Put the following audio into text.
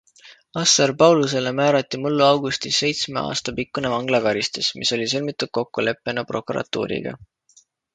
Assar Paulusele määrati mullu augustis seitsme aasta pikkune vanglakaristus, mis oli sõlmitud kokkuleppena prokuratuuriga.